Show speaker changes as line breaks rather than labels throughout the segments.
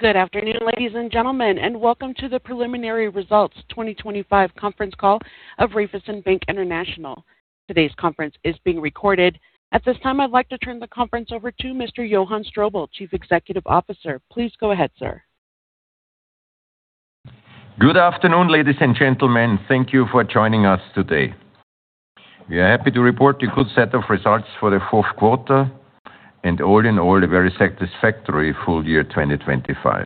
Good afternoon, ladies and gentlemen, and welcome to the preliminary results 2025 conference call of Raiffeisen Bank International. Today's conference is being recorded. At this time, I'd like to turn the conference over to Mr. Johann Strobl, Chief Executive Officer. Please go ahead, sir.
Good afternoon, ladies and gentlemen. Thank you for joining us today. We are happy to report a good set of results for the fourth quarter and all in all, a very satisfactory full year, 2025.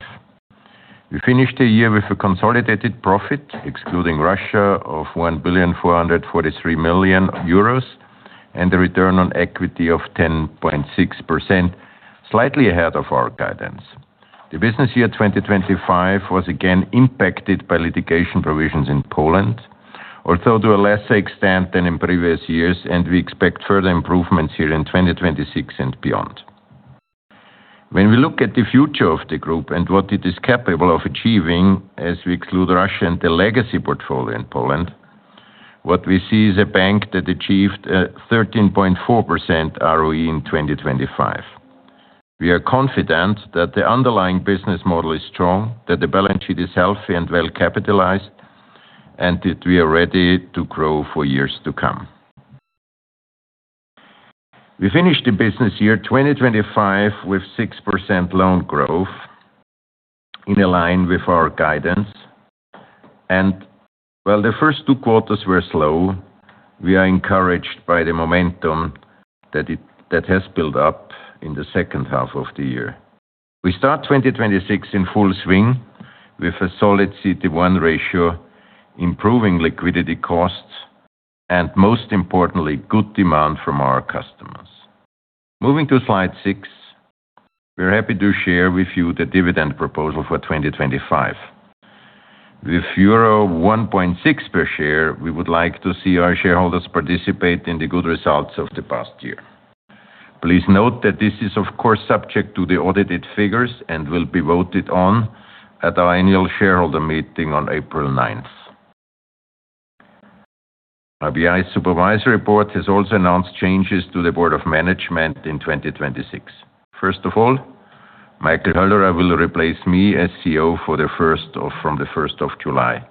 We finished the year with a consolidated profit, excluding Russia, of 1,443 million euros, and a return on equity of 10.6%, slightly ahead of our guidance. The business year 2025 was again impacted by litigation provisions in Poland, although to a lesser extent than in previous years, and we expect further improvements here in 2026 and beyond. When we look at the future of the group and what it is capable of achieving, as we exclude Russia and the legacy portfolio in Poland, what we see is a bank that achieved 13.4% ROE in 2025. We are confident that the underlying business model is strong, that the balance sheet is healthy and well-capitalized, and that we are ready to grow for years to come. We finished the business year 2025 with 6% loan growth in line with our guidance, and while the first two quarters were slow, we are encouraged by the momentum that has built up in the second half of the year. We start 2026 in full swing with a solid CET1 ratio, improving liquidity costs, and most importantly, good demand from our customers. Moving to Slide 6, we're happy to share with you the dividend proposal for 2025. With euro 1.6 per share, we would like to see our shareholders participate in the good results of the past year. Please note that this is, of course, subject to the audited figures and will be voted on at our annual shareholder meeting on April 9. RBI Supervisory Board has also announced changes to the Board of Management in 2026. First of all, Michael Höllerer will replace me as CEO from July 1.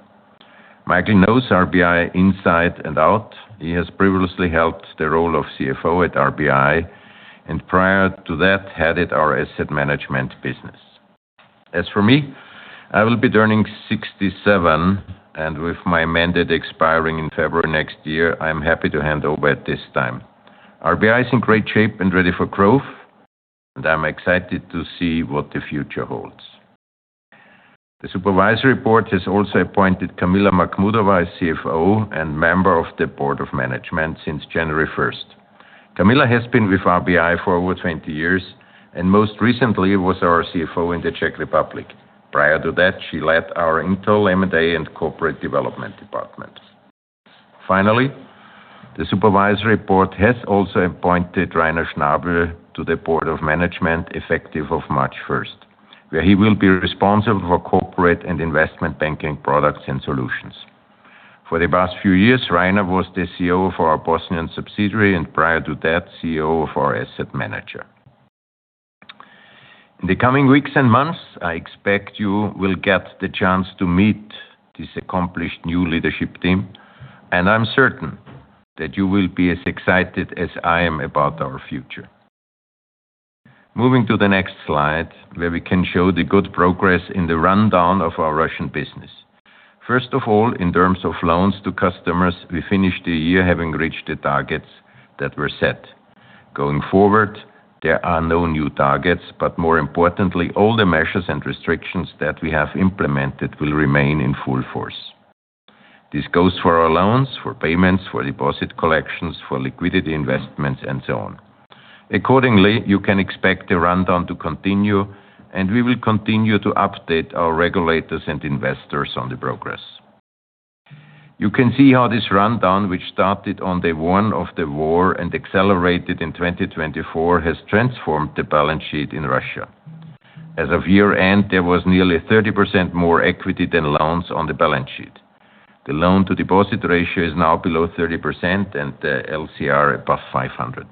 Michael knows RBI inside and out. He has previously held the role of CFO at RBI, and prior to that, headed our asset management business. As for me, I will be turning 67, and with my mandate expiring in February next year, I'm happy to hand over at this time. RBI is in great shape and ready for growth, and I'm excited to see what the future holds. The Supervisory Board has also appointed Kamila Makhmudova as CFO and member of the Board of Management since January 1. Kamila has been with RBI for over 20 years, and most recently was our CFO in the Czech Republic. Prior to that, she led our internal M&A and Corporate Development department. Finally, the Supervisory Board has also appointed Rainer Schnabl to the Board of Management effective as of March first, where he will be responsible for corporate and investment banking products and solutions. For the past few years, Rainer was the CEO for our Bosnian subsidiary, and prior to that, CEO for our asset manager. In the coming weeks and months, I expect you will get the chance to meet this accomplished new leadership team, and I'm certain that you will be as excited as I am about our future. Moving to the next Slide, where we can show the good progress in the rundown of our Russian business. First of all, in terms of loans to customers, we finished the year having reached the targets that were set. Going forward, there are no new targets, but more importantly, all the measures and restrictions that we have implemented will remain in full force. This goes for our loans, for payments, for deposit collections, for liquidity investments, and so on. Accordingly, you can expect the rundown to continue, and we will continue to update our regulators and investors on the progress. You can see how this rundown, which started on day one of the war and accelerated in 2024, has transformed the balance sheet in Russia. As of year-end, there was nearly 30% more equity than loans on the balance sheet. The loan-to-deposit ratio is now below 30% and the LCR above 500%.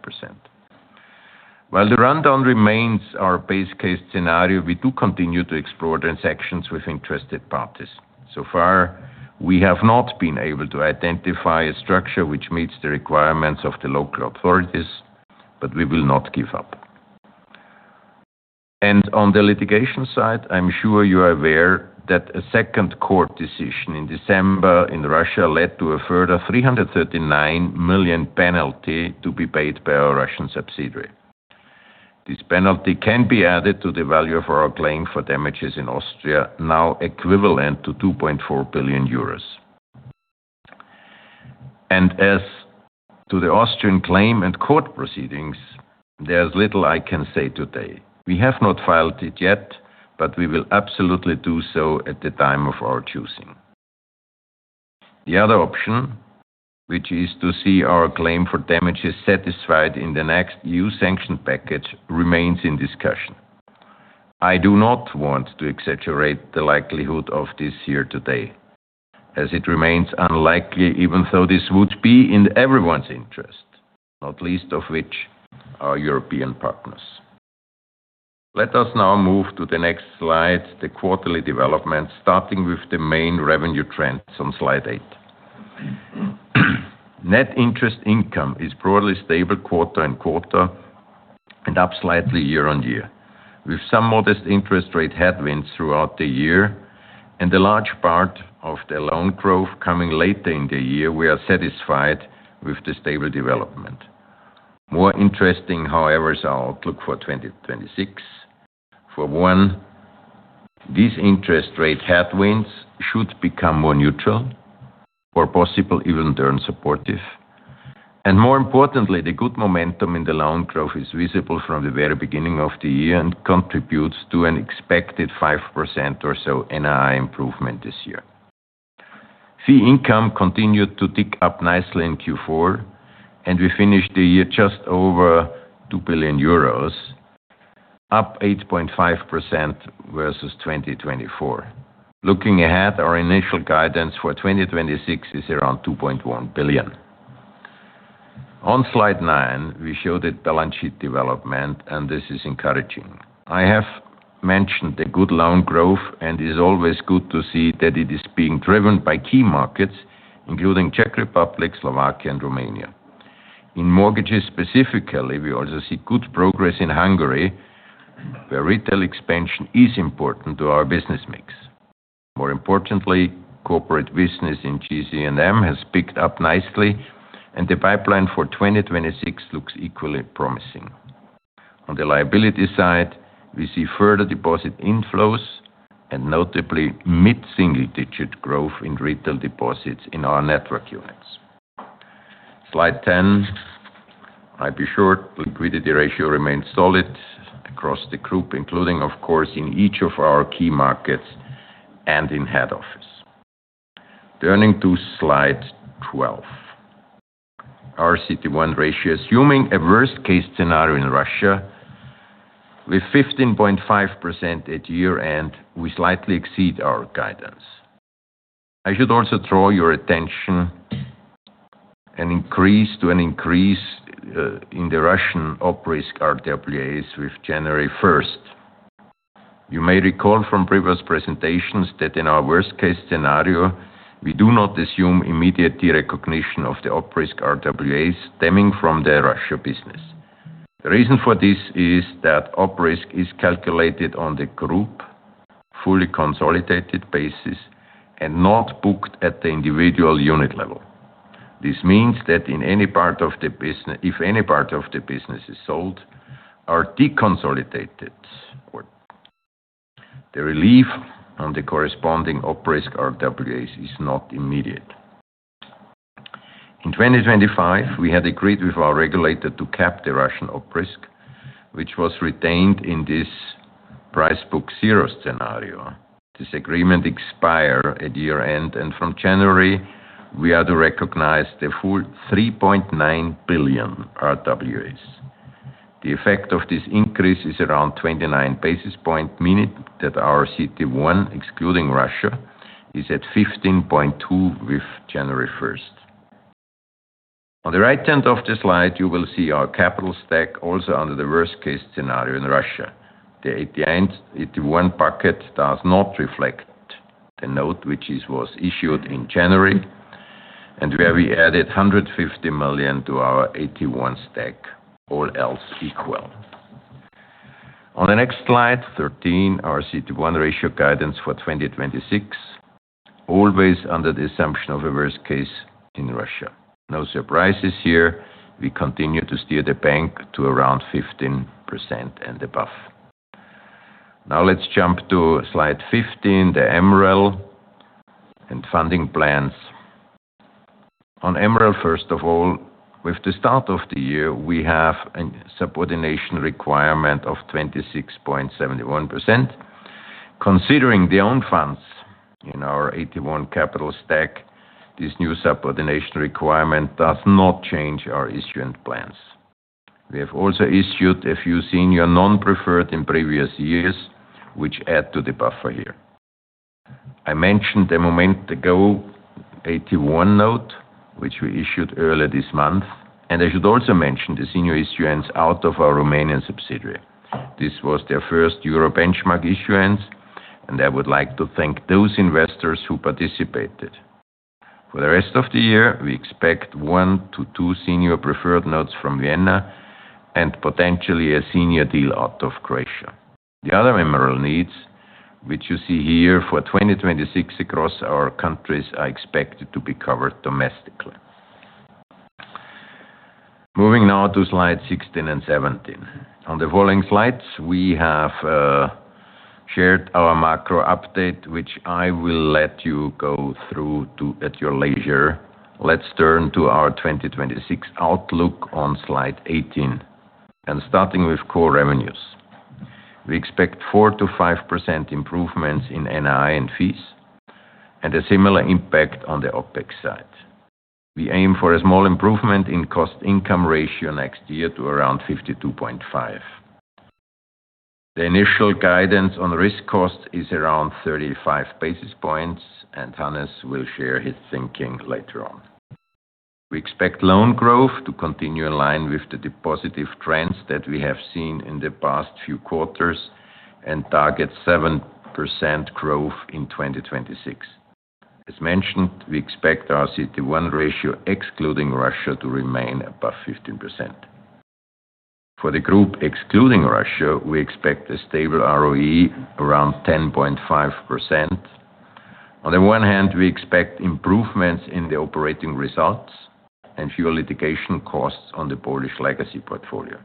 While the rundown remains our base case scenario, we do continue to explore transactions with interested parties. So far, we have not been able to identify a structure which meets the requirements of the local authorities, but we will not give up. On the litigation side, I'm sure you are aware that a second court decision in December in Russia led to a further 339 million penalty to be paid by our Russian subsidiary. This penalty can be added to the value of our claim for damages in Austria, now equivalent to 2.4 billion euros. As to the Austrian claim and court proceedings, there's little I can say today. We have not filed it yet, but we will absolutely do so at the time of our choosing. The other option, which is to see our claim for damages satisfied in the next new sanction package, remains in discussion. I do not want to exaggerate the likelihood of this here today, as it remains unlikely, even though this would be in everyone's interest, not least of which our European partners. Let us now move to the next Slide, the quarterly development, starting with the main revenue trends on Slide 8. Net interest income is broadly stable quarter-on-quarter, and up slightly year-on-year. With some modest interest rate headwinds throughout the year, and a large part of the loan growth coming later in the year, we are satisfied with the stable development. More interesting, however, is our outlook for 2026. For one, these interest rate headwinds should become more neutral or possibly even turn supportive. More importantly, the good momentum in the loan growth is visible from the very beginning of the year and contributes to an expected 5% or so NII improvement this year. Fee income continued to tick up nicely in Q4, and we finished the year just over 2 billion euros, up 8.5% versus 2024. Looking ahead, our initial guidance for 2026 is around 2.1 billion. On Slide 9, we showed the balance sheet development, and this is encouraging. I have mentioned the good loan growth, and it is always good to see that it is being driven by key markets, including Czech Republic, Slovakia, and Romania. In mortgages specifically, we also see good progress in Hungary, where retail expansion is important to our business mix. More importantly, corporate business in GC&M has picked up nicely, and the pipeline for 2026 looks equally promising. On the liability side, we see further deposit inflows and notably mid-single-digit growth in retail deposits in our network units. Slide 10. I'll be brief, liquidity ratio remains solid across the group, including, of course, in each of our key markets and in head office. Turning to Slide 12, our CET1 ratio, assuming a worst-case scenario in Russia, with 15.5% at year-end, we slightly exceed our guidance. I should also draw your attention to an increase in the Russian OpRisk RWAs with January first. You may recall from previous presentations that in our worst-case scenario, we do not assume immediate derecognition of the OpRisk RWAs stemming from the Russia business. The reason for this is that OpRisk is calculated on the group fully consolidated basis and not booked at the individual unit level. This means that in any part of the business, if any part of the business is sold or deconsolidated or the relief on the corresponding OpRisk RWAs is not immediate. In 2025, we had agreed with our regulator to cap the Russian OpRisk, which was retained in this P/B 0 scenario. This agreement expired at year-end, and from January we are to recognize the full 3.9 billion RWAs. The effect of this increase is around 29 basis points, meaning that our CET1, excluding Russia, is at 15.2 with January 1. On the right end of the Slide, you will see our capital stack also under the worst-case scenario in Russia. The 8.9% AT1 bucket does not reflect the note, which is, was issued in January, and where we added 150 million to our AT1 stack, all else equal. On the next Slide, 13, our CET1 ratio guidance for 2026, always under the assumption of a worst case in Russia. No surprises here. We continue to steer the bank to around 15% and above. Now, let's jump to Slide 15, the MREL and funding plans. On MREL, first of all, with the start of the year, we have a subordination requirement of 26.71%. Considering the own funds in our AT1 capital stack, this new subordination requirement does not change our issuance plans. We have also issued a few senior non-preferred in previous years, which add to the buffer here. I mentioned a moment ago, AT1 note, which we issued earlier this month, and I should also mention the senior issuance out of our Romanian subsidiary. This was their first euro benchmark issuance, and I would like to thank those investors who participated. For the rest of the year, we expect 1-2 senior preferred notes from Vienna and potentially a senior deal out of Croatia. The other MREL needs, which you see here for 2026 across our countries, are expected to be covered domestically. Moving now to Slide 16 and 17. On the following Slides, we have shared our macro update, which I will let you go through, at your leisure. Let's turn to our 2026 outlook on Slide 18. Starting with core revenues. We expect 4%-5% improvements in NII and fees, and a similar impact on the OpEx side. We aim for a small improvement in cost-income ratio next year to around 52.5%. The initial guidance on risk cost is around 35 basis points, and Hannes will share his thinking later on. We expect loan growth to continue in line with the positive trends that we have seen in the past few quarters and target 7% growth in 2026. As mentioned, we expect our CET1 ratio, excluding Russia, to remain above 15%. For the group, excluding Russia, we expect a stable ROE around 10.5%. On the one hand, we expect improvements in the operating results and fewer litigation costs on the Polish legacy portfolio.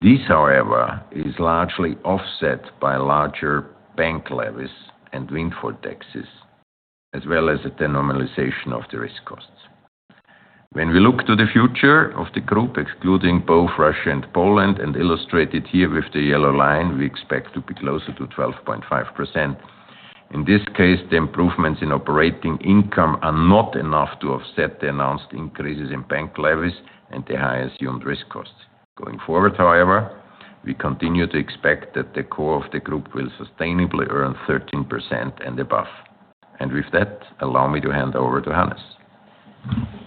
This, however, is largely offset by larger bank levies and windfall taxes, as well as the normalization of the risk costs. When we look to the future of the group, excluding both Russia and Poland, and illustrated here with the yellow line, we expect to be closer to 12.5%. In this case, the improvements in operating income are not enough to offset the announced increases in bank levies and the high assumed risk costs. Going forward, however, we continue to expect that the core of the group will sustainably earn 13% and above. With that, allow me to hand over to Hannes.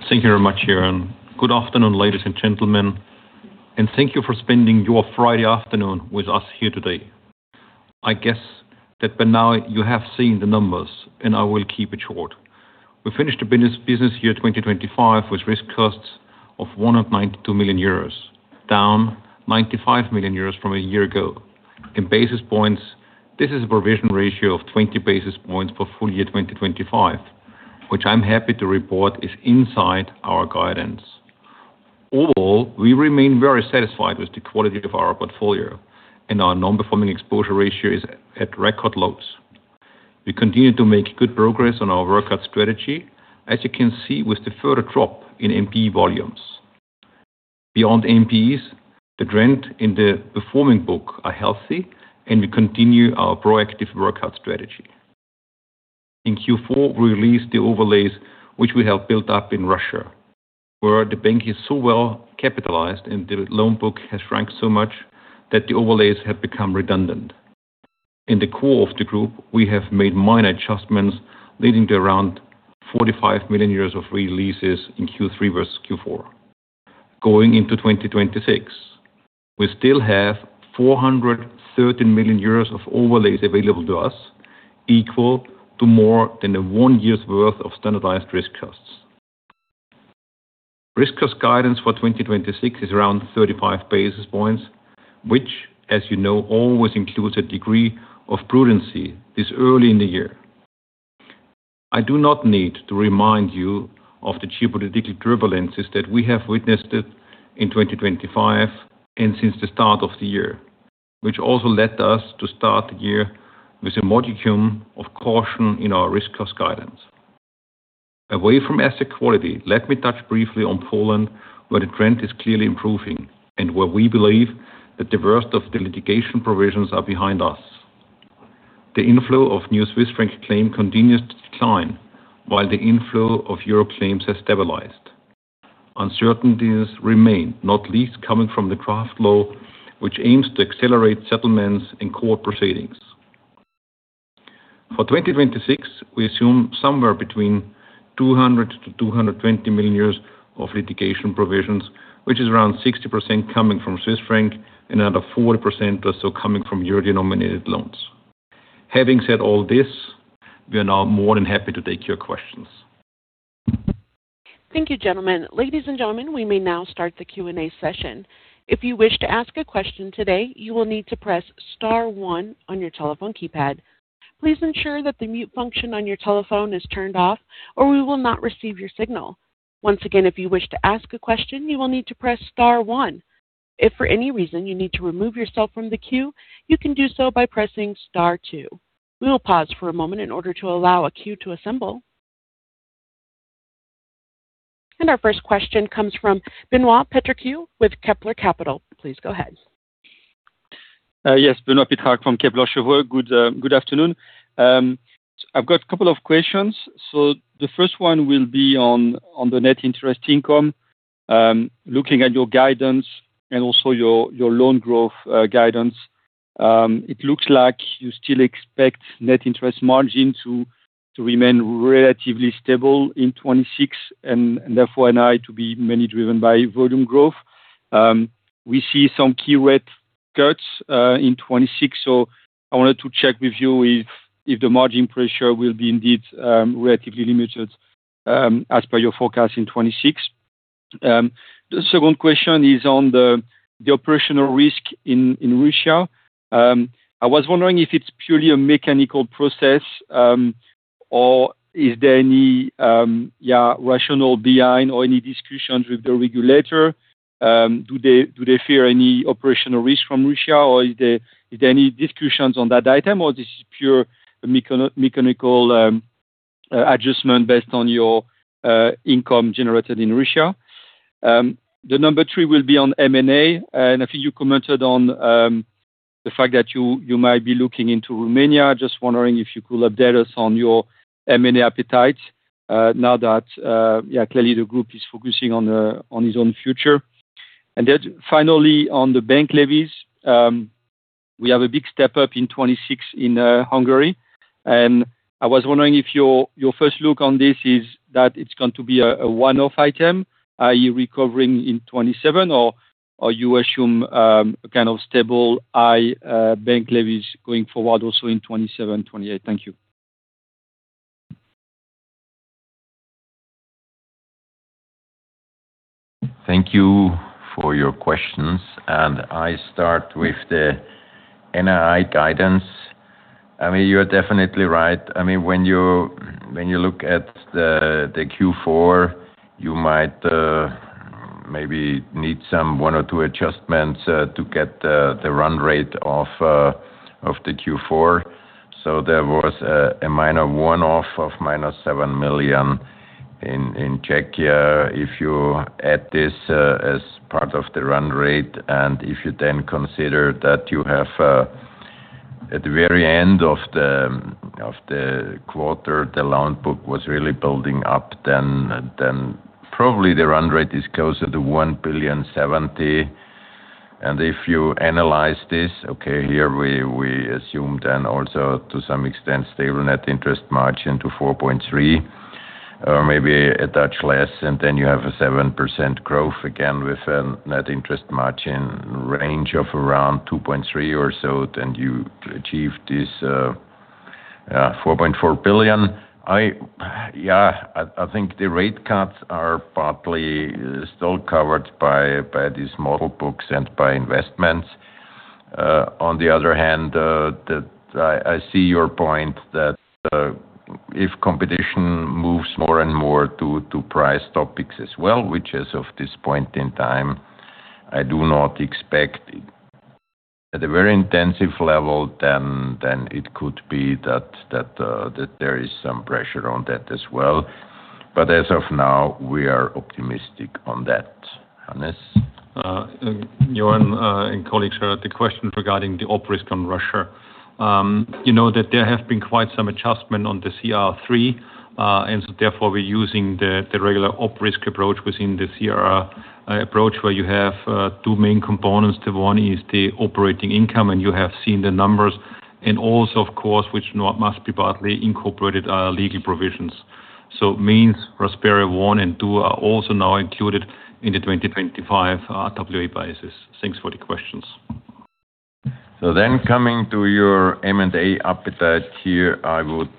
Thank you very much, Johann. Good afternoon, ladies and gentlemen, and thank you for spending your Friday afternoon with us here today. I guess that by now you have seen the numbers, and I will keep it short. We finished the business year 2025 with risk costs of 192 million euros, down 95 million euros from a year ago. In basis points, this is a provision ratio of 20 basis points for full year 2025, which I'm happy to report is inside our guidance. Overall, we remain very satisfied with the quality of our portfolio, and our non-performing exposure ratio is at record lows. We continue to make good progress on our workout strategy, as you can see, with the further drop in NPE volumes. Beyond NPEs, the trend in the performing book are healthy, and we continue our proactive workout strategy. In Q4, we released the overlays, which we have built up in Russia, where the bank is so well capitalized and the loan book has shrunk so much that the overlays have become redundant. In the core of the group, we have made minor adjustments, leading to around 45 million euros of releases in Q3 versus Q4. Going into 2026, we still have 413 million euros of overlays available to us, equal to more than a one year's worth of standardized risk costs. Risk cost guidance for 2026 is around 35 basis points, which, as you know, always includes a degree of prudency this early in the year. I do not need to remind you of the geopolitical turbulences that we have witnessed in 2025 and since the start of the year, which also led us to start the year with a modicum of caution in our risk cost guidance. Away from asset quality, let me touch briefly on Poland, where the trend is clearly improving and where we believe that the worst of the litigation provisions are behind us. The inflow of new Swiss franc claims continues to decline, while the inflow of euro claims has stabilized. Uncertainties remain, not least coming from the draft law, which aims to accelerate settlements in court proceedings. For 2026, we assume somewhere between 200 million-220 million of litigation provisions, which is around 60% coming from Swiss franc and another 40% or so coming from euro-denominated loans. Having said all this, we are now more than happy to take your questions.
Thank you, gentlemen. Ladies and gentlemen, we may now start the Q&A session. If you wish to ask a question today, you will need to press star 1 on your telephone keypad. Please ensure that the mute function on your telephone is turned off, or we will not receive your signal. Once again, if you wish to ask a question, you will need to press star 1. If for any reason you need to remove yourself from the queue, you can do so by pressing star 2. We will pause for a moment in order to allow a queue to assemble. And our first question comes from Benoit Pétréquin with Kepler Cheuvreux. Please go ahead.
Yes. Benoit Pétréquin from Kepler Cheuvreux. Good afternoon. I've got a couple of questions. So the first one will be on the net interest income. Looking at your guidance and also your loan growth guidance, it looks like you still expect net interest margin to remain relatively stable in 2026 and therefore NII to be mainly driven by volume growth. We see some key rate cuts in 2026, so I wanted to check with you if the margin pressure will be indeed relatively limited as per your forecast in 2026. The second question is on the operational risk in Russia. I was wondering if it's purely a mechanical process or is there any rationale behind or any discussions with the regulator? Do they fear any operational risk from Russia, or is there any discussions on that item, or this is pure mechanical adjustment based on your income generated in Russia? The number three will be on M&A, and I think you commented on the fact that you might be looking into Romania. Just wondering if you could update us on your M&A appetite. Now that, yeah, clearly the group is focusing on, on his own future. And then finally, on the bank levies, we have a big step up in 2026 in Hungary, and I was wondering if your, your first look on this is that it's going to be a, a one-off item, are you recovering in 2027 or, or you assume, a kind of stable high, bank levies going forward also in 2027, 2028? Thank you.
Thank you for your questions, and I start with the NII guidance. I mean, you're definitely right. I mean, when you, when you look at the, the Q4, you might, maybe need some one or two adjustments, to get the, the run rate off, of the Q4. So there was a, a minor one-off of minus 7 million in, in Czechia. If you add this, as part of the run rate, and if you then consider that you have, at the very end of the, of the quarter, the loan book was really building up, then, then probably the run rate is closer to 1.07 billion. And if you analyze this, here we assume then also, to some extent, stable net interest margin to 4.3%, or maybe a touch less, and then you have a 7% growth, again, with a net interest margin range of around 2.3% or so, then you achieve this, 4.4 billion. Yeah, I think the rate cuts are partly still covered by these model books and by investments. On the other hand, I see your point that if competition moves more and more to price topics as well, which as of this point in time, I do not expect at a very intensive level, then it could be that there is some pressure on that as well. But as of now, we are optimistic on that. Hannes?
Johann, and colleagues, the question regarding the Op risk on Russia. You know that there have been quite some adjustment on the CRR III, and so therefore, we're using the regular Op risk approach within the CRR approach, where you have two main components. The one is the operating income, and you have seen the numbers, and also, of course, which now must be partly incorporated, are legal provisions. So it means Rasperia I and II are also now included in the 2025 RWA basis. Thanks for the questions.
So then, coming to your M&A appetite here, I would,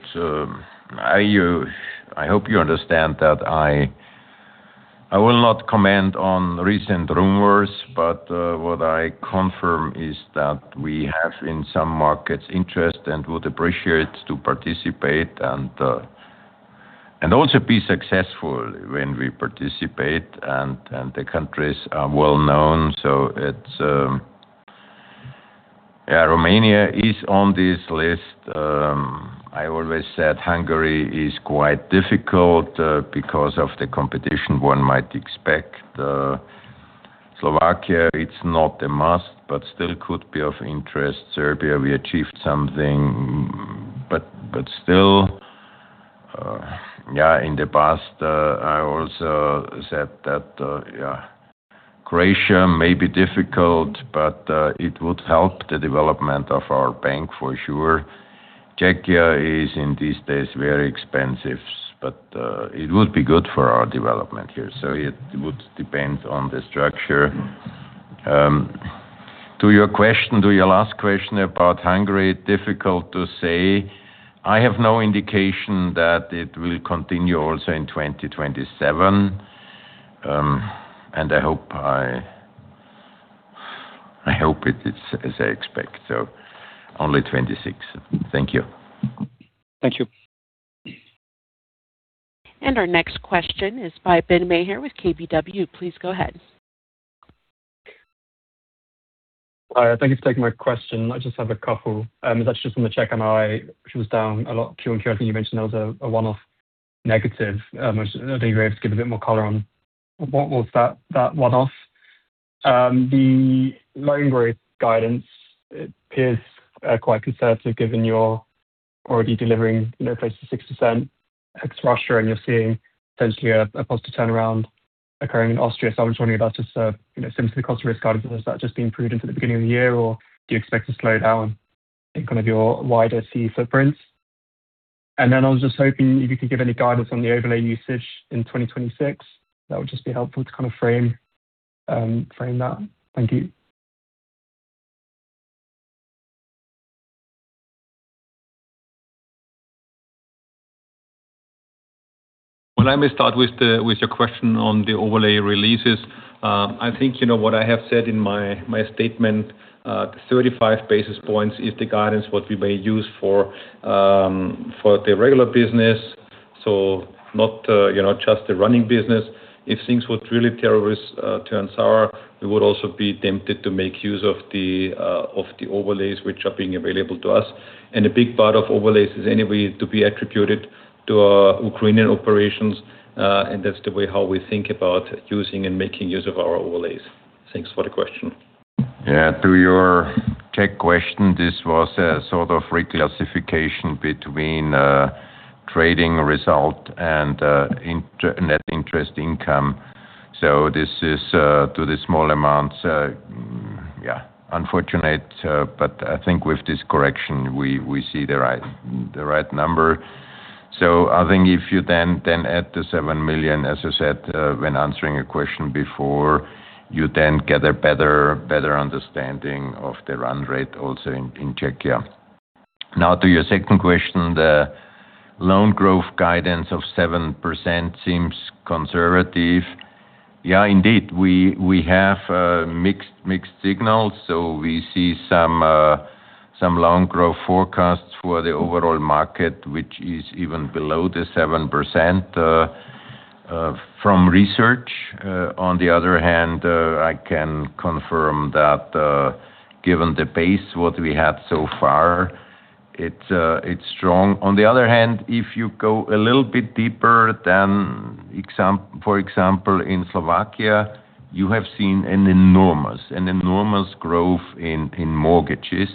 I hope you understand that I, I will not comment on recent rumors, but, what I confirm is that we have, in some markets, interest and would appreciate to participate and, and also be successful when we participate, and, and the countries are well known. So it's, Yeah, Romania is on this list. I always said Hungary is quite difficult, because of the competition one might expect. Slovakia, it's not a must, but still could be of interest. Serbia, we achieved something, but still, yeah, in the past, I also said that, yeah, Croatia may be difficult, but, it would help the development of our bank for sure. Czechia is, in these days, very expensive, but, it would be good for our development here. It would depend on the structure. To your question, to your last question about Hungary, difficult to say. I have no indication that it will continue also in 2027. And I hope I, I hope it is as I expect, so only 2026. Thank you.
Thank you.
Our next question is by Ben Maher with KBW. Please go ahead.
Hi, thank you for taking my question. I just have a couple, that's just from the Czech NII, which was down a lot, Q on Q. I think you mentioned that was a one-off negative, which are you able to give a bit more color on what was that, that one-off? The loan growth guidance, it appears quite conservative, given you're already delivering, you know, close to 6% ex-Russia, and you're seeing potentially a positive turnaround occurring in Austria. So I was wondering if that's just, you know, simply cost risk guidance. Has that just been proved into the beginning of the year, or do you expect to slow down in kind of your wider C footprints? And then I was just hoping if you could give any guidance on the overlay usage in 2026. That would just be helpful to kind of frame that. Thank you.
Well, I may start with your question on the overlay releases. I think you know what I have said in my statement, 35 basis points is the guidance what we may use for the regular business, so not, you know, just the running business. If things would really turn risk, turn sour, we would also be tempted to make use of the overlays which are being available to us. And a big part of overlays is anyway to be attributed to our Ukrainian operations, and that's the way how we think about using and making use of our overlays. Thanks for the question.
Yeah, to your tech question, this was a sort of reclassification between trading result and net interest income. So this is to the small amounts, yeah, unfortunate, but I think with this correction, we see the right number. So I think if you then add the 7 million, as I said when answering a question before, you then get a better understanding of the run rate also in Czechia. Now, to your second question, the loan growth guidance of 7% seems conservative. Yeah, indeed, we have mixed signals, so we see some loan growth forecasts for the overall market, which is even below the 7%, from research. On the other hand, I can confirm that, given the pace, what we have so far, it's, it's strong. On the other hand, if you go a little bit deeper, for example, in Slovakia, you have seen an enormous growth in mortgages.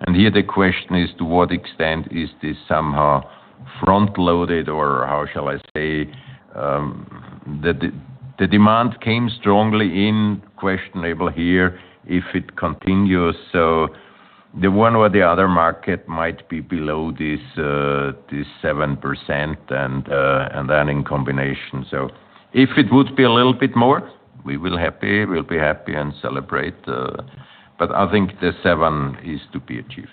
And here the question is, to what extent is this somehow front-loaded, or how shall I say? The demand came strongly in questionable here if it continues, so the one or the other market might be below this 7% and, and then in combination. So if it would be a little bit more, we'll be happy and celebrate, but I think the seven is to be achieved.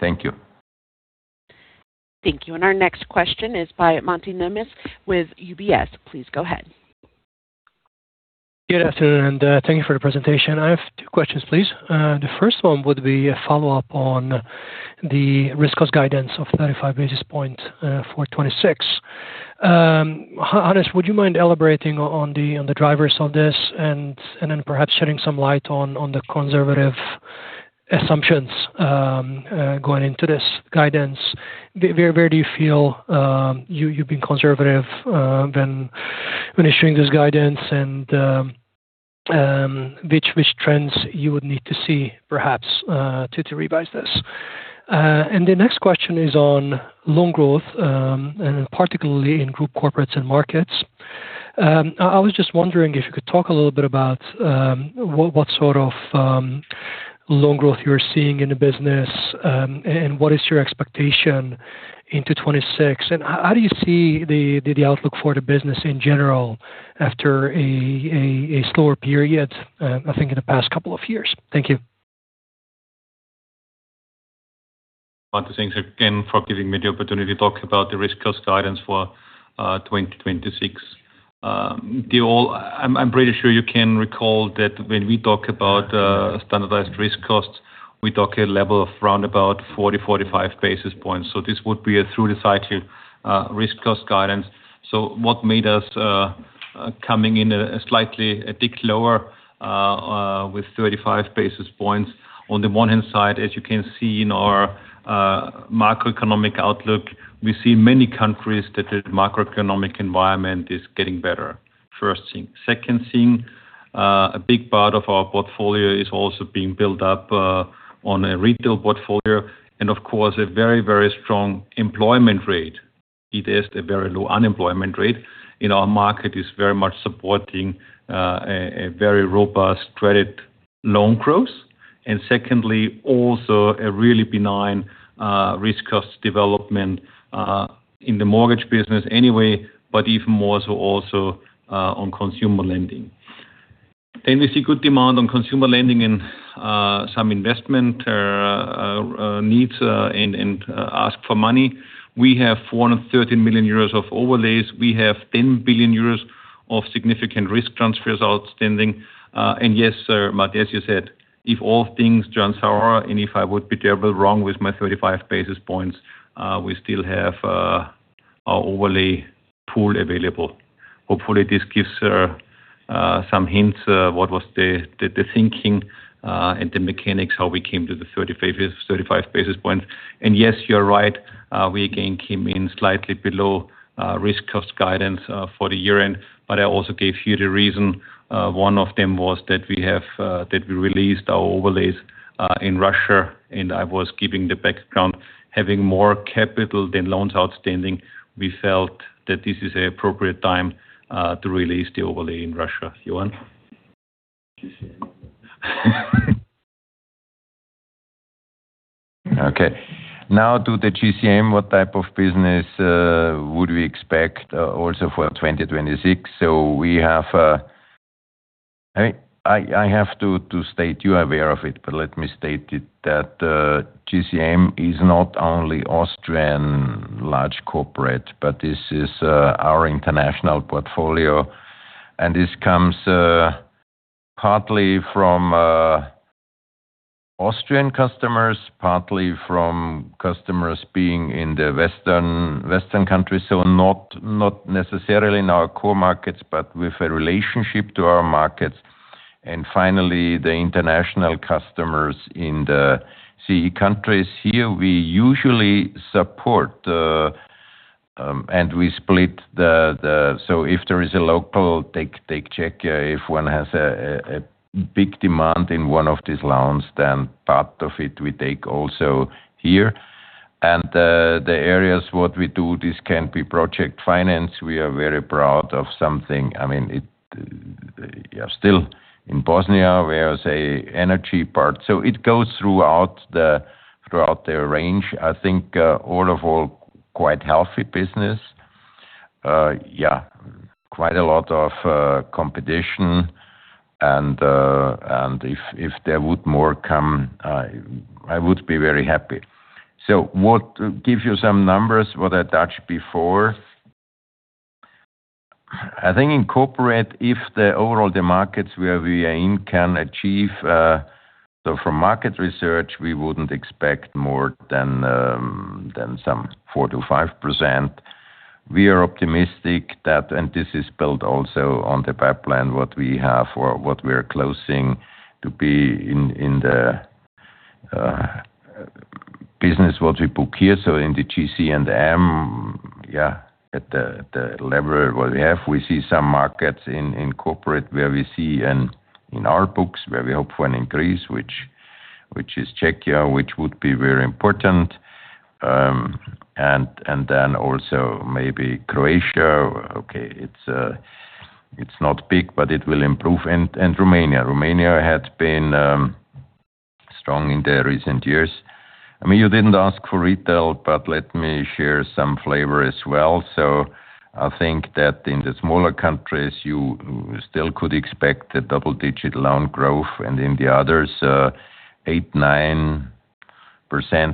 Thank you.
Thank you. And our next question is by Máté Nemes with UBS. Please go ahead.
Good afternoon, and thank you for the presentation. I have two questions, please. The first one would be a follow-up on the risk-cost guidance of 35 basis point for 2026. Hannes, would you mind elaborating on the drivers of this and then perhaps shedding some light on the conservative assumptions going into this guidance? Where do you feel you've been conservative when issuing this guidance, and which trends you would need to see perhaps to revise this? And the next question is on loan growth, and particularly in group corporates and markets. I was just wondering if you could talk a little bit about what sort of loan growth you're seeing in the business, and what is your expectation into 2026? And how do you see the outlook for the business in general after a slower period, I think, in the past couple of years? Thank you.
Want to thank you again for giving me the opportunity to talk about the risk-cost guidance for 2026. I'm pretty sure you can recall that when we talk about standardized risk costs, we talk a level of around about 40-45 basis points. So this would be a through-the-cycle risk cost guidance. So what made us coming in a slightly a tick lower with 35 basis points? On the one hand side, as you can see in our macroeconomic outlook, we see many countries that the macroeconomic environment is getting better, first thing. Second thing, a big part of our portfolio is also being built up on a retail portfolio, and of course, a very, very strong employment rate. It is a very low unemployment rate, and our market is very much supporting a very robust credit loan growth, and secondly, also a really benign risk cost development in the mortgage business anyway, but even more so also on consumer lending. Then we see good demand on consumer lending and some investment needs and ask for money. We have 430 million euros of overlays. We have 10 billion euros of significant risk transfers outstanding. And yes, sir, but as you said, if all things turn sour, and if I would be terribly wrong with my thirty-five basis points, we still have our overlay pool available. Hopefully, this gives some hints what was the thinking and the mechanics how we came to the 35, 35 basis points. And yes, you're right, we again came in slightly below risk cost guidance for the year-end, but I also gave you the reason, one of them was that we released our overlays in Russia, and I was giving the background, having more capital than loans outstanding, we felt that this is an appropriate time to release the overlay in Russia. Johann?
Okay. Now to the GC&M, what type of business would we expect also for 2026? So we have... I have to state you are aware of it, but let me state it, that GC&M is not only Austrian large corporate, but this is our international portfolio. And this comes partly from Austrian customers, partly from customers being in the Western countries, so not necessarily in our core markets, but with a relationship to our markets. And finally, the international customers in the CE countries. Here we usually support... and we split the so if there is a local, take Czechia, if one has a big demand in one of these loans, then part of it we take also here. And the areas what we do, this can be project finance. We are very proud of something. I mean, it, yeah, still in Bosnia, where I say energy part. So it goes throughout the, throughout the range. I think, all of all, quite healthy business. Yeah, quite a lot of, competition, and, and if, if there would more come, I, I would be very happy. So what give you some numbers, what I touched before. I think in corporate, if the overall the markets where we are in can achieve... So from market research, we wouldn't expect more than, than some 4%-5%. We are optimistic that, and this is built also on the pipeline, what we have or what we are closing to be in, in the, business, what we book here, so in the GC& M, yeah, at the, the level what we have. We see some markets in corporate where we see in our books, where we hope for an increase, which is Czechia, which would be very important. Then also maybe Croatia. Okay, it's not big, but it will improve. And Romania. Romania had been strong in the recent years. I mean, you didn't ask for retail, but let me share some flavor as well. So I think that in the smaller countries, you still could expect a double-digit loan growth, and in the others, 8%-9%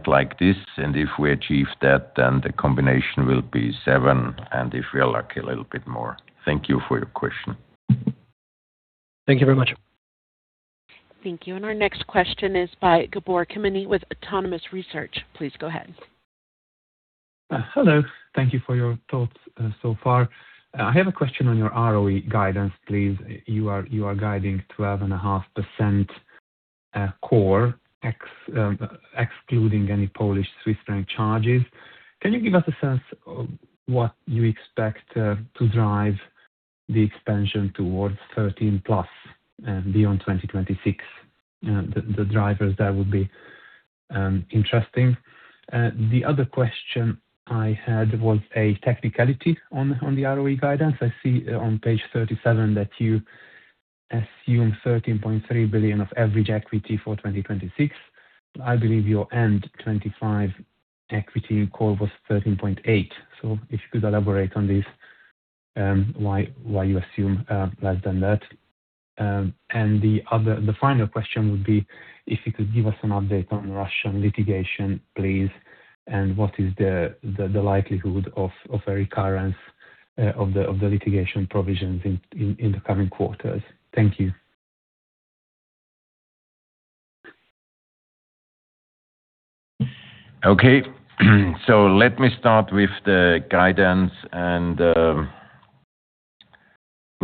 like this. And if we achieve that, then the combination will be 7, and if we are lucky, a little bit more. Thank you for your question.
Thank you very much.
Thank you. Our next question is by Gábor Kemeny with Autonomous Research. Please go ahead.
Hello. Thank you for your thoughts so far. I have a question on your ROE guidance, please. You are guiding 12.5% core, ex excluding any Polish Swiss franc charges. Can you give us a sense of what you expect to drive the expansion towards 13+ beyond 2026? The drivers, that would be interesting. The other question I had was a technicality on the ROE guidance. I see on page 37 that you assume 13.3 billion of average equity for 2026. I believe your end-2025 equity call was 13.8. So if you could elaborate on this, why you assume less than that? The final question would be if you could give us an update on Russian litigation, please, and what is the likelihood of a recurrence of the litigation provisions in the coming quarters? Thank you.
Okay, so let me start with the guidance and,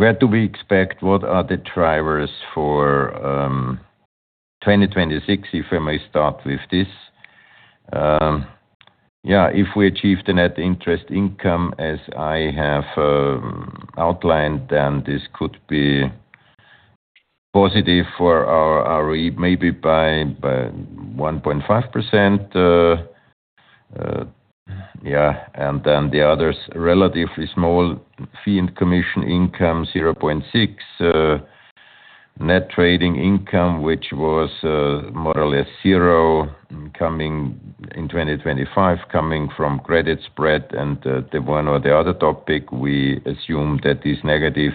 where do we expect, what are the drivers for, 2026, if I may start with this. Yeah, if we achieve the net interest income as I have, outlined, then this could be positive for our ROE, maybe by, by 1.5%, yeah. And then the others, relatively small fee and commission income, 0.6. Net trading income, which was, more or less zero, coming in 2025, coming from credit spread and, the one or the other topic, we assume that these negative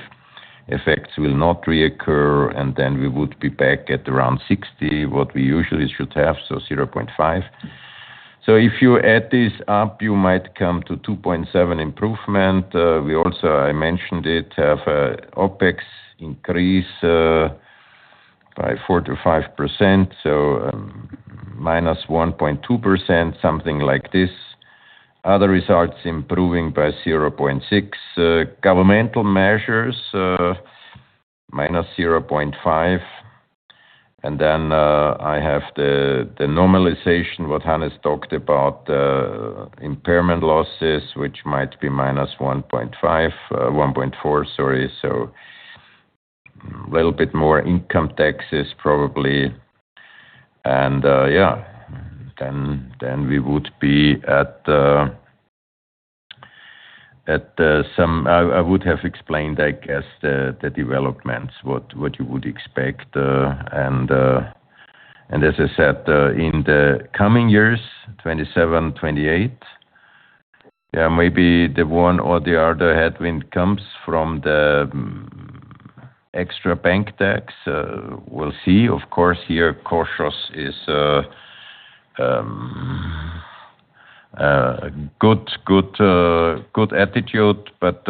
effects will not reoccur, and then we would be very back at around 60, what we usually should have, so 0.5. So if you add this up, you might come to 2.7 improvement. We also, I mentioned it, have OpEx increase by 4%-5%, so minus 1.2%, something like this. Other results improving by 0.6. Governmental measures, minus 0.5. And then, I have the normalization, what Hannes talked about, impairment losses, which might be minus 1.5, 1.4, sorry. So little bit more income taxes, probably. And yeah, then we would be at the, at the some... I would have explained, I guess, the developments, what you would expect, and as I said, in the coming years, 2027, 2028, yeah, maybe the one or the other headwind comes from the extra bank tax. We'll see. Of course, here, cautious is good, good, good attitude, but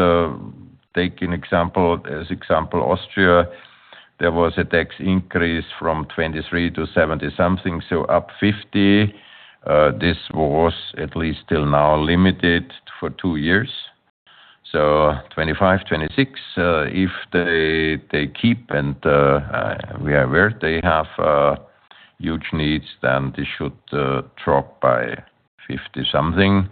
take an example. As example, Austria, there was a tax increase from 23 to 70-something, so up 50. This was at least till now, limited for 2 years... So 2025, 2026, if they keep and we are aware they have huge needs, then this should drop by 50-something.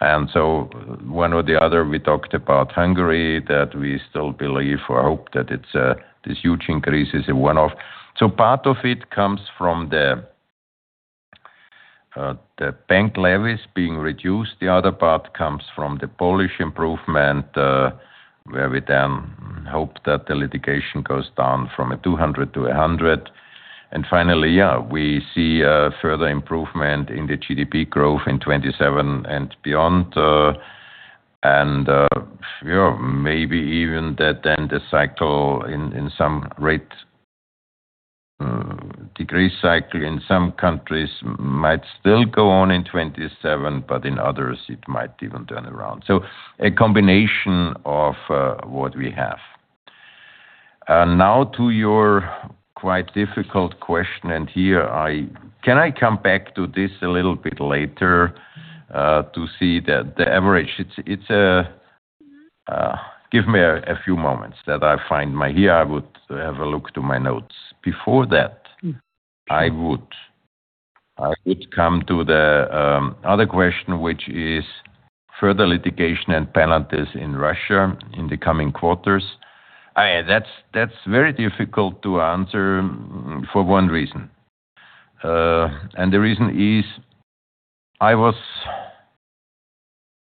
And so one or the other, we talked about Hungary, that we still believe or hope that it's this huge increase is a one-off. So part of it comes from the bank levies being reduced. The other part comes from the Polish improvement, where we then hope that the litigation goes down from 200 to 100. And finally, yeah, we see a further improvement in the GDP growth in 2027 and beyond, and yeah, maybe even that then the cycle in some rate degree cycle in some countries might still go on in 2027, but in others it might even turn around. So a combination of what we have. Now to your quite difficult question, and here I can come back to this a little bit later to see the average. It's a give me a few moments that I find my. Here, I would have a look to my notes. Before that, I would come to the other question, which is further litigation and penalties in Russia in the coming quarters. That's very difficult to answer for one reason. And the reason is, I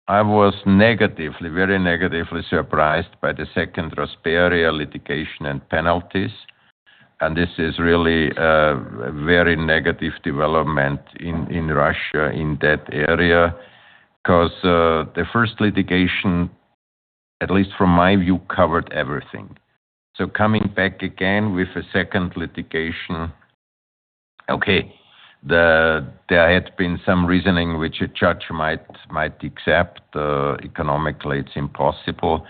was negatively, very negatively surprised by the second Rasperia litigation and penalties, and this is really a very negative development in Russia in that area, because the first litigation, at least from my view, covered everything. So coming back again with a second litigation, okay, there had been some reasoning which a judge might accept, economically, it's impossible.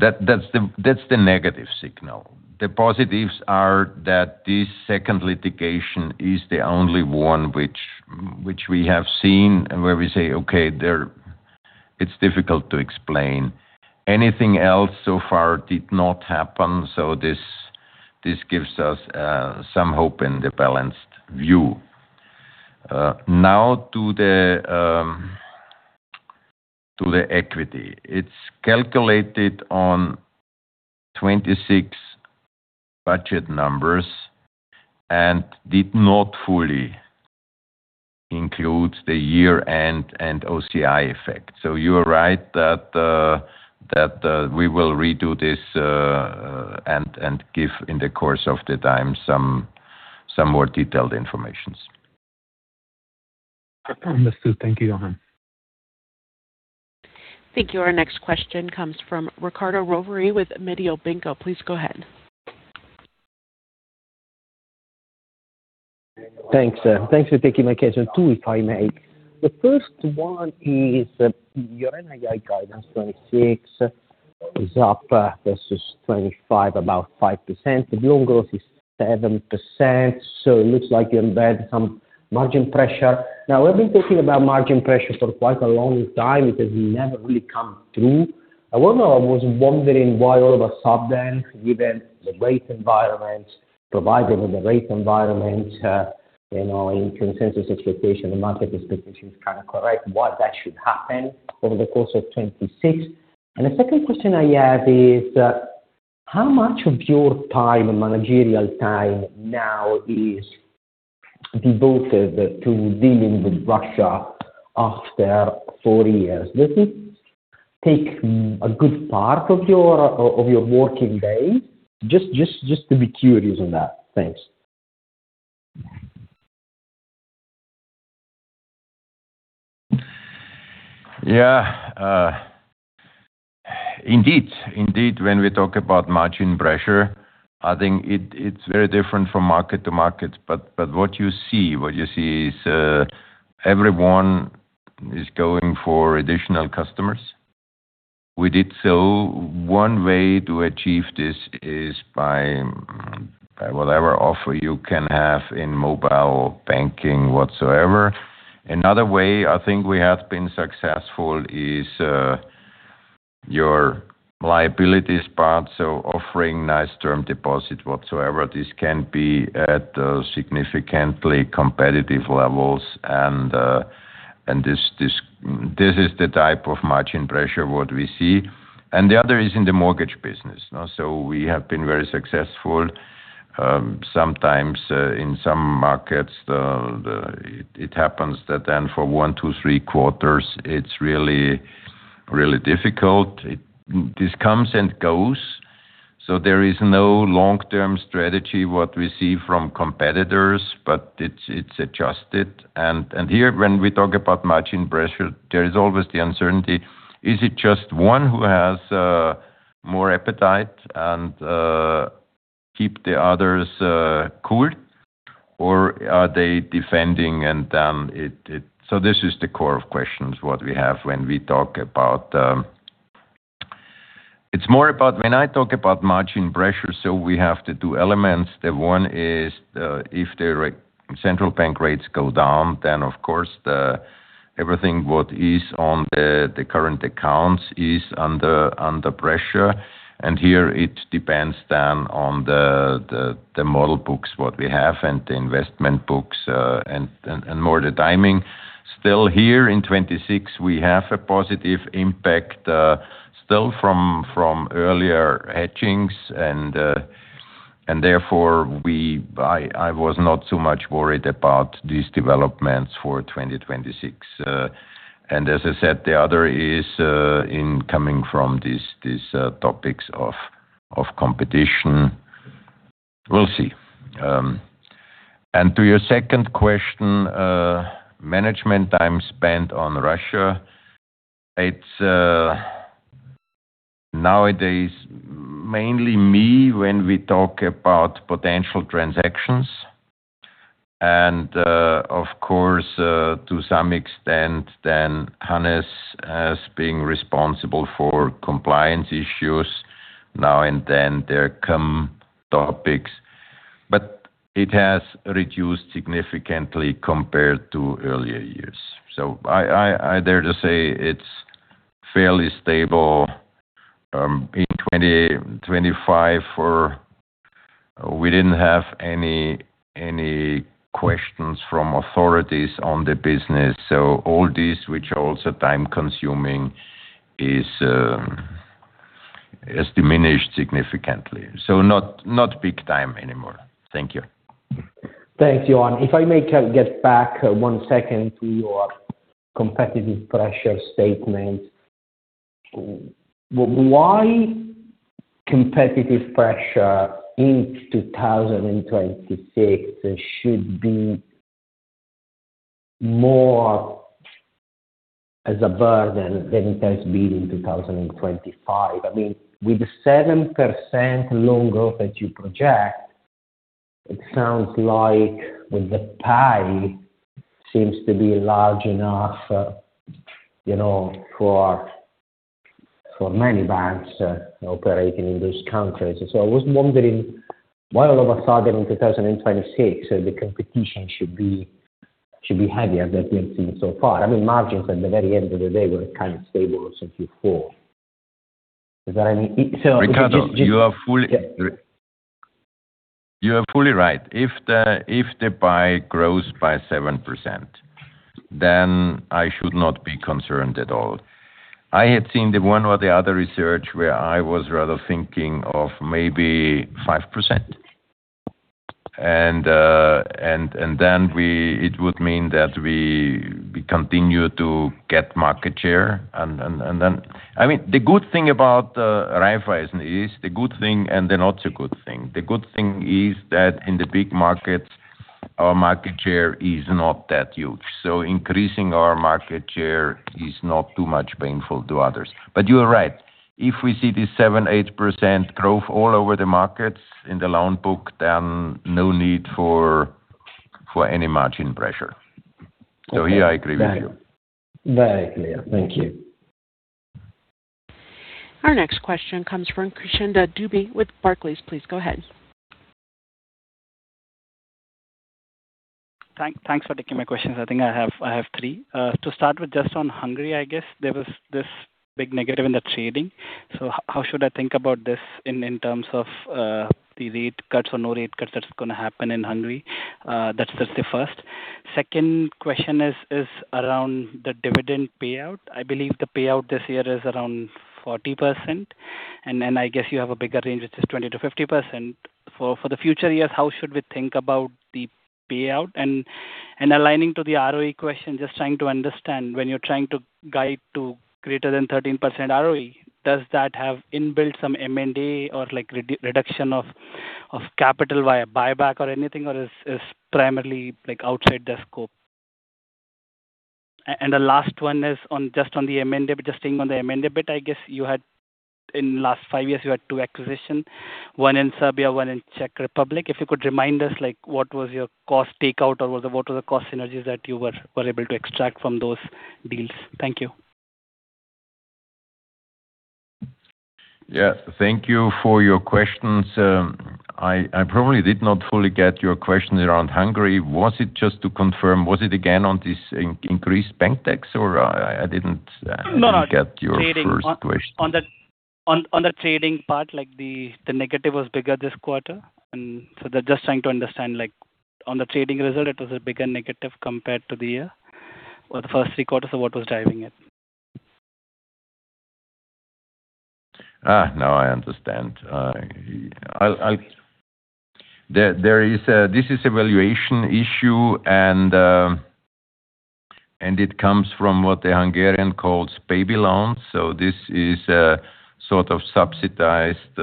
That's the negative signal. The positives are that this second litigation is the only one which we have seen, and where we say, okay, there it's difficult to explain. Anything else so far did not happen, so this gives us some hope in the balanced view. Now to the equity. It's calculated on 26 budget numbers and did not fully include the year-end and OCI effect. You are right that we will redo this and give in the course of the time some more detailed information.
Understood. Thank you, Johann.
Thank you. Our next question comes from Riccardo Rovere with Mediobanca. Please go ahead.
Thanks, thanks for taking my question. Two, if I may. The first one is, your NII guidance, 2026, is up versus 2025, about 5%. The loan growth is 7%, so it looks like you embed some margin pressure. Now, we've been talking about margin pressure for quite a long time. It has never really come through. I wonder, I was wondering why all of a sudden, given the rate environment, provided with the rate environment, you know, in consensus expectation, the market expectation is kind of correct, why that should happen over the course of 2026? And the second question I have is, how much of your time, managerial time now is devoted to dealing with Russia after 4 years? Does it take a good part of your, of your working day? Just, just, just to be curious on that. Thanks.
Yeah, indeed. Indeed, when we talk about margin pressure, I think it's very different from market to market. But what you see is everyone is going for additional customers. We did so. One way to achieve this is by whatever offer you can have in mobile banking, whatsoever. Another way, I think we have been successful is your liabilities part, so offering nice term deposit whatsoever. This can be at significantly competitive levels, and this is the type of margin pressure what we see. And the other is in the mortgage business. Now, so we have been very successful, sometimes, in some markets, it happens that then for one to three quarters, it's really, really difficult. This comes and goes, so there is no long-term strategy, what we see from competitors, but it's adjusted. And here when we talk about margin pressure, there is always the uncertainty. Is it just one who has more appetite and keep the others cool? Or are they defending and then it. So this is the core of questions, what we have when we talk about. It's more about when I talk about margin pressure, so we have the two elements. The one is if the central bank rates go down, then, of course, everything what is on the current accounts is under pressure, and here it depends then on the model books, what we have, and the investment books, and more the timing. Still here in 2026, we have a positive impact, still from earlier hedgings and therefore, we—I was not so much worried about these developments for 2026. And as I said, the other is in coming from these topics of competition. We'll see. And to your second question, management time spent on Russia, it's nowadays, mainly me when we talk about potential transactions. And of course, to some extent, then Hannes as being responsible for compliance issues. Now and then, there come topics, but it has reduced significantly compared to earlier years. So I dare to say it's fairly stable. In 2025, we didn't have any questions from authorities on the business, so all this, which also time-consuming, has diminished significantly. So not, not big time anymore. Thank you.
Thanks, Johann. If I may get back one second to your competitive pressure statement. Why competitive pressure in 2026 should be more as a burden than it has been in 2025? I mean, with 7% loan growth that you project, it sounds like the pie seems to be large enough, you know, for many banks operating in those countries. So I was wondering, why all of a sudden in 2026, the competition should be heavier than we have seen so far? I mean, margins at the very end of the day were kind of stable since Q4. Is that, I mean, so-
Riccardo, you are fully-
Yeah.
You are fully right. If the pie grows by 7%, then I should not be concerned at all. I had seen the one or the other research where I was rather thinking of maybe 5%. And then we—it would mean that we continue to get market share. And then... I mean, the good thing about Raiffeisen is the good thing and the not so good thing. The good thing is that in the big markets, our market share is not that huge, so increasing our market share is not too much painful to others. But you are right. If we see this 7%-8% growth all over the markets in the loan book, then no need for any margin pressure. Here I agree with you.
Very clear. Thank you.
Our next question comes from Krishnendra Dubey with Barclays. Please go ahead.
Thanks for taking my questions. I think I have, I have three. To start with, just on Hungary, I guess there was this big negative in the trading. So how should I think about this in terms of the rate cuts or no rate cuts that's gonna happen in Hungary? That's the first. Second question is around the dividend payout. I believe the payout this year is around 40%, and then I guess you have a bigger range, which is 20%-50%. For the future years, how should we think about the payout? And aligning to the ROE question, just trying to understand, when you're trying to guide to greater than 13% ROE, does that have inbuilt some M&A or, like, reduction of capital via buyback or anything, or is primarily, like, outside the scope? And the last one is on, just on the M&A, but just staying on the M&A bit, I guess you had in the last five years, you had two acquisitions, one in Serbia, one in Czech Republic. If you could remind us, like, what was your cost takeout, or what were the cost synergies that you were able to extract from those deals? Thank you.
Yeah. Thank you for your questions. I probably did not fully get your question around Hungary. Was it just to confirm, was it again on this increased bank tax, or I didn't-
No, no.
Get your first question.
On the trading part, like, the negative was bigger this quarter, and so they're just trying to understand, like, on the trading result, it was a bigger negative compared to the year or the first three quarters of what was driving it.
Ah, now I understand. I'll. There is a—this is a valuation issue, and, and it comes from what the Hungarian calls baby loans. So this is a sort of subsidized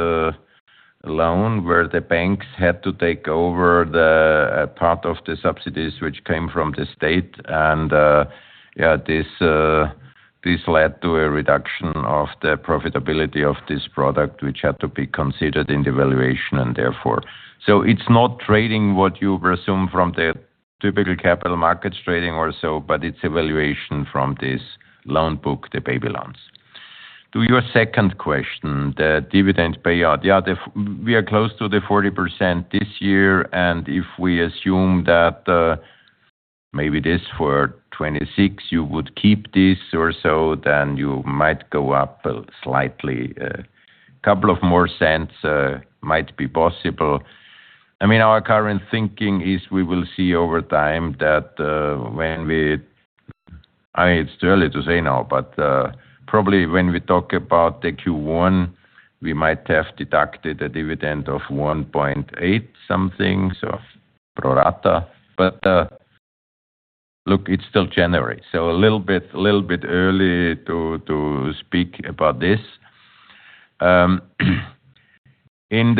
loan, where the banks had to take over the part of the subsidies which came from the state. And, yeah, this, this led to a reduction of the profitability of this product, which had to be considered in the valuation and therefore. So it's not trading what you presume from typical capital markets trading or so, but it's valuation from this loan book, the baby loans. To your second question, the dividend payout. Yeah, we are close to the 40% this year, and if we assume that, maybe this for 2026, you would keep this or so, then you might go up, slightly. A couple of more cents might be possible. I mean, our current thinking is we will see over time that I mean, it's too early to say now, but probably when we talk about the Q1, we might have deducted a dividend of 1.8 something, so pro rata. But look, it's still January, so a little bit early to speak about this. In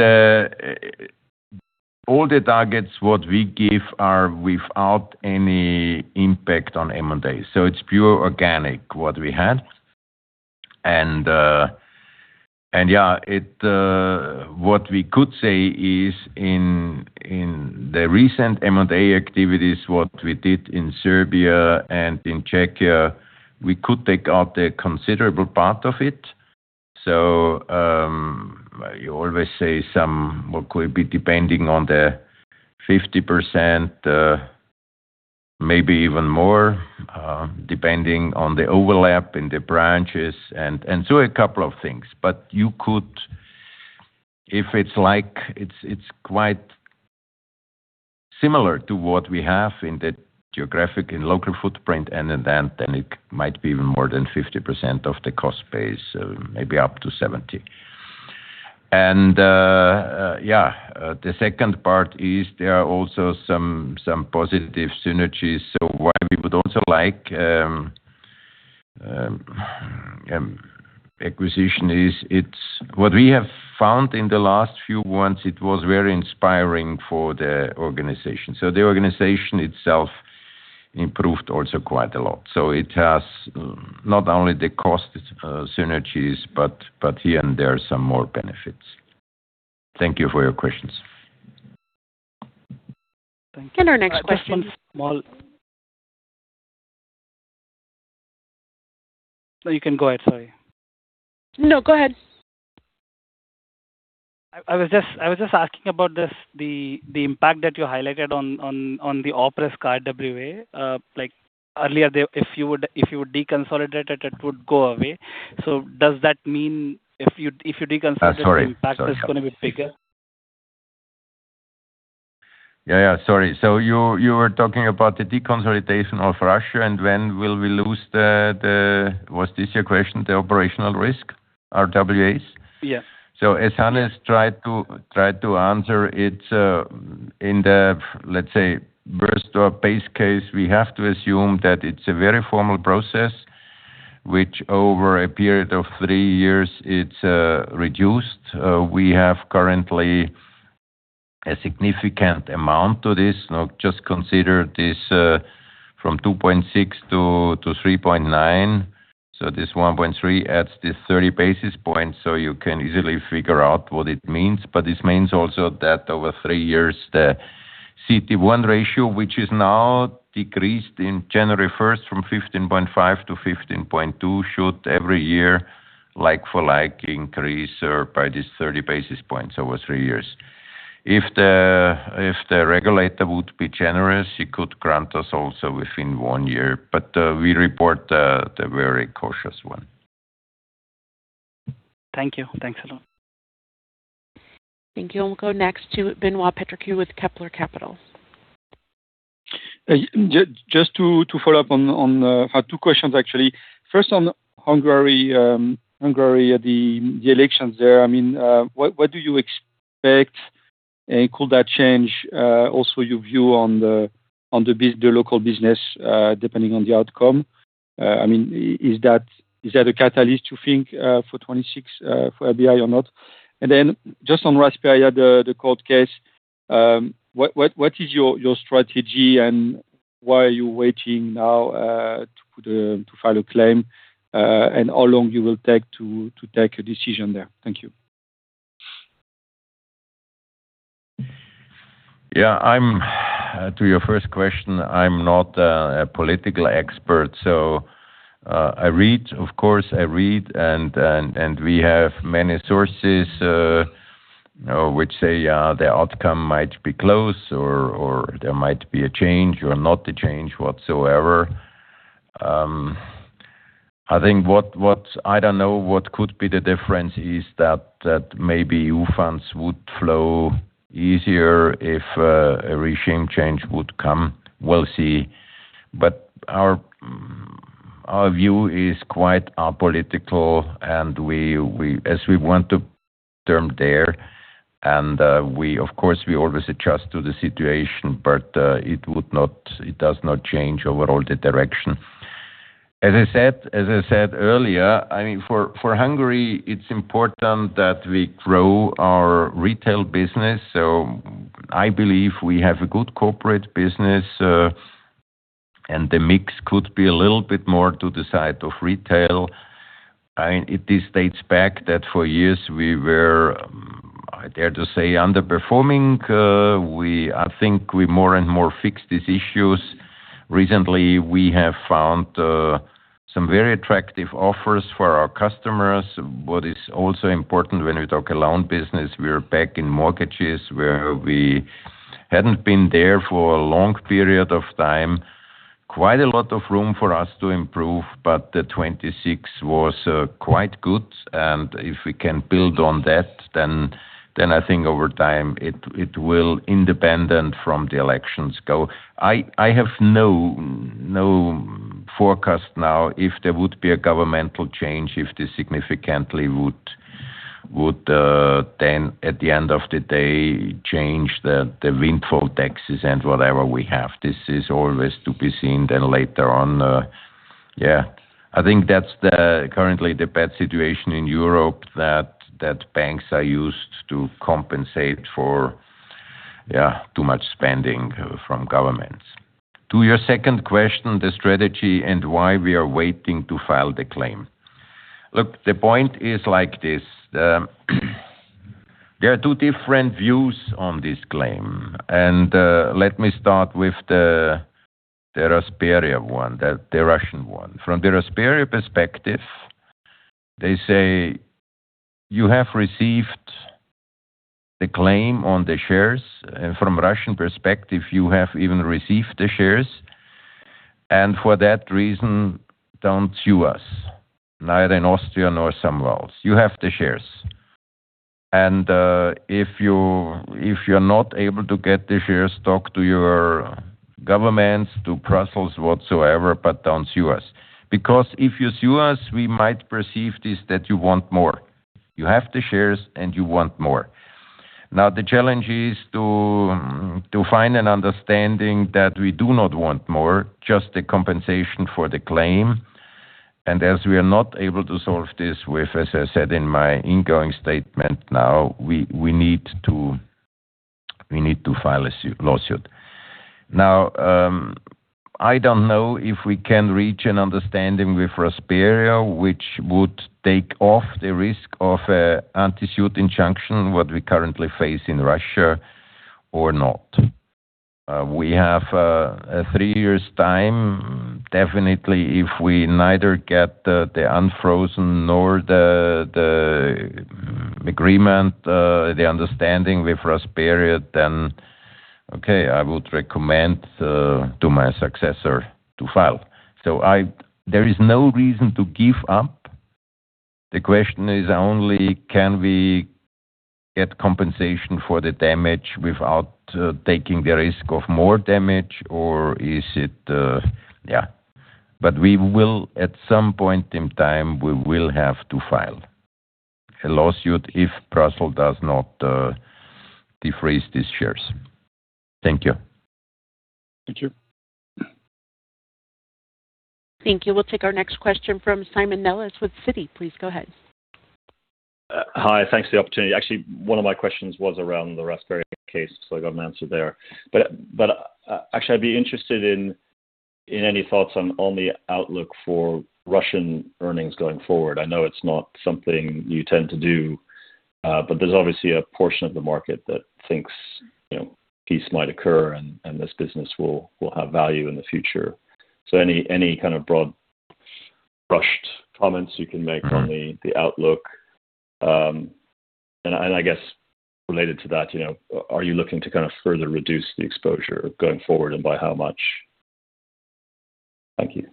all the targets what we give are without any impact on M&A. So it's pure organic, what we had. And yeah, it... What we could say is, in the recent M&A activities, what we did in Serbia and in Czechia, we could take out a considerable part of it. So, you always say some, what could it be, depending on the 50%, maybe even more, depending on the overlap in the branches and so a couple of things. But you could, if it's like it's quite similar to what we have in the geographic and local footprint, and then it might be even more than 50% of the cost base, maybe up to 70%. And the second part is there are also some positive synergies. So what we would also like, acquisition is, it's what we have found in the last few months, it was very inspiring for the organization. So the organization itself improved also quite a lot. So it has not only the cost synergies, but here and there are some more benefits. Thank you for your questions.
Thank you.
Our next question-
No, you can go ahead, sorry.
No, go ahead.
I was just asking about this, the impact that you highlighted on the Op risk RWA. Like earlier, if you would deconsolidate it, it would go away. So does that mean if you deconsolidate-
Uh, sorry.
The impact is gonna be bigger?
Yeah, yeah, sorry. So you were talking about the deconsolidation of Russia, and when will we lose the—was this your question—the operational risk RWAs?
Yes.
So as Hannes tried to answer, it's in the, let's say, worst or base case, we have to assume that it's a very formal process, which over a period of three years, reduced. We have currently a significant amount to this. Now, just consider this, from 2.6 to 3.9. So this 1.3 adds this 30 basis points, so you can easily figure out what it means. But this means also that over three years, the CET1 ratio, which is now decreased in January first from 15.5 to 15.2, should every year, like for like, increase by this 30 basis points over three years. If the regulator would be generous, he could grant us also within one year. But we report the very cautious one.
Thank you. Thanks a lot.
Thank you. We'll go next to Benoit Pétréquin with Kepler Cheuvreux.
Just to follow up on, I have two questions, actually. First, on Hungary, the elections there, I mean, what do you expect? And could that change also your view on the local business depending on the outcome? I mean, is that a catalyst, you think, for 2026, for RBI or not? And then just on Rasperia, the court case, what is your strategy, and why are you waiting now to file a claim? And how long will you take to take a decision there? Thank you.
Yeah, I'm to your first question. I'm not a political expert, so I read, of course, I read, and we have many sources which say the outcome might be close or there might be a change or not a change whatsoever. I think what I don't know what could be the difference is that maybe EU funds would flow easier if a regime change would come. We'll see. But our view is quite apolitical, and we as we want to term there, and we, of course, always adjust to the situation, but it would not - it does not change overall the direction. As I said earlier, I mean, for Hungary, it's important that we grow our retail business. I believe we have a good corporate business. The mix could be a little bit more to the side of retail. I mean, it, this dates back that for years we were, I dare to say, underperforming. I think we more and more fixed these issues. Recently, we have found some very attractive offers for our customers. What is also important when we talk a loan business, we are back in mortgages, where we hadn't been there for a long period of time. Quite a lot of room for us to improve, but the 2026 was quite good, and if we can build on that, then, then I think over time, it, it will, independent from the elections, go. I have no forecast now if there would be a governmental change, if this significantly would then, at the end of the day, change the windfall taxes and whatever we have. This is always to be seen then later on, yeah. I think that's currently the bad situation in Europe, that banks are used to compensate for yeah, too much spending from governments. To your second question, the strategy and why we are waiting to file the claim. Look, the point is like this, there are two different views on this claim, and let me start with the Rasperia I, the Russian one. From the Rasperia perspective, they say, "You have received the claim on the shares, and from Russian perspective, you have even received the shares. And for that reason, don't sue us, neither in Austria nor somewhere else. You have the shares. And, if you're not able to get the shares, talk to your governments, to Brussels, whatsoever, but don't sue us. Because if you sue us, we might perceive this, that you want more. You have the shares, and you want more." Now, the challenge is to find an understanding that we do not want more, just the compensation for the claim. And as we are not able to solve this with, as I said in my ingoing statement now, we need to file a lawsuit. Now, I don't know if we can reach an understanding with Rasperia, which would take off the risk of an anti-suit injunction, what we currently face in Russia or not. We have a three years time. Definitely, if we neither get the unfrozen nor the agreement, the understanding with Rasperia, then okay, I would recommend to my successor to file. There is no reason to give up. The question is only: Can we get compensation for the damage without taking the risk of more damage or is it... Yeah. But we will, at some point in time, we will have to file a lawsuit if Brussels does not defreeze these shares. Thank you.
Thank you.
Thank you. We'll take our next question from Simon Nellis with Citi. Please go ahead.
Hi, thanks for the opportunity. Actually, one of my questions was around the Rasperia case, so I got an answer there. But actually, I'd be interested in any thoughts on only outlook for Russian earnings going forward. I know it's not something you tend to do, but there's obviously a portion of the market that thinks, you know, peace might occur, and this business will have value in the future. So any kind of broad, brushed comments you can make-
Mm-hmm.
on the outlook? And I guess related to that, you know, are you looking to kind of further reduce the exposure going forward, and by how much? Thank you.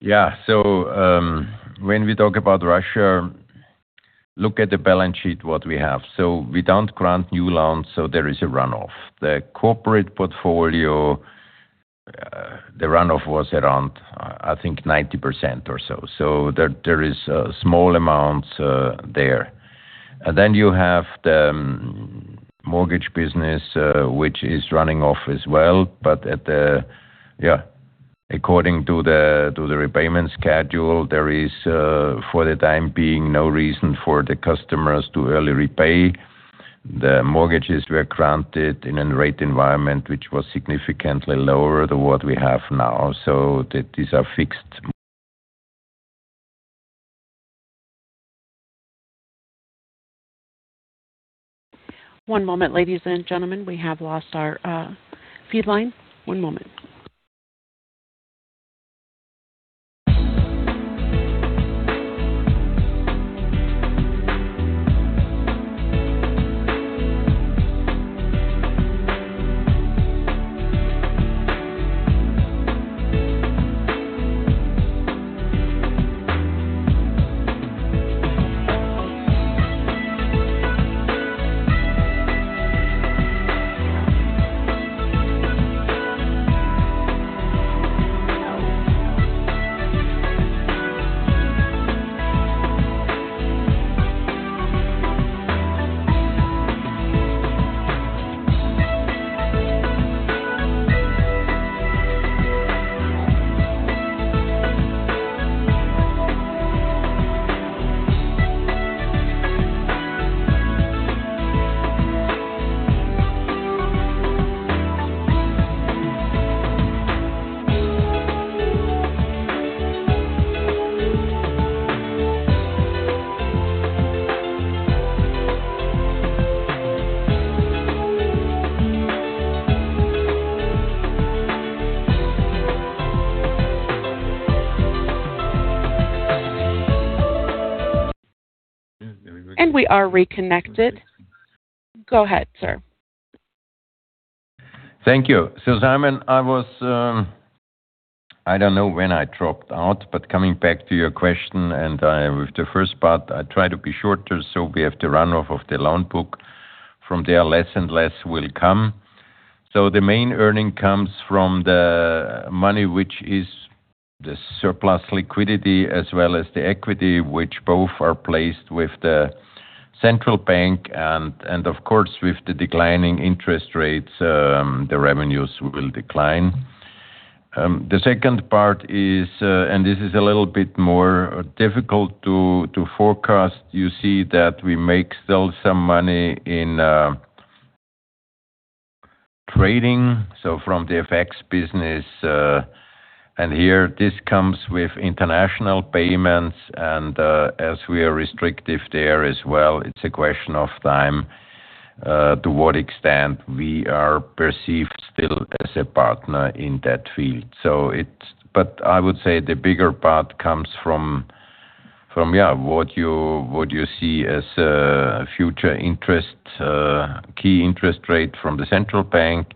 Yeah. So, when we talk about Russia, look at the balance sheet, what we have. So we don't grant new loans, so there is a runoff. The corporate portfolio, the runoff was around, I think, 90% or so. So there, there is, small amounts, there. And then you have the, mortgage business, which is running off as well. But at the... Yeah, according to the, to the repayment schedule, there is, for the time being, no reason for the customers to early repay. The mortgages were granted in a rate environment which was significantly lower than what we have now. So these are fixed.
One moment, ladies and gentlemen, we have lost our feed line. One moment. ... We are reconnected. Go ahead, sir.
Thank you. So, Simon, I was, I don't know when I dropped out, but coming back to your question, and I, with the first part, I try to be shorter, so we have the runoff of the loan book. From there, less and less will come. So the main earning comes from the money, which is the surplus liquidity as well as the equity, which both are placed with the central bank, and of course, with the declining interest rates, the revenues will decline. The second part is, and this is a little bit more difficult to forecast. You see that we make still some money in trading, so from the FX business, and here this comes with international payments, and as we are restrictive there as well, it's a question of time to what extent we are perceived still as a partner in that field. But I would say the bigger part comes from what you see as future interest key interest rate from the central bank.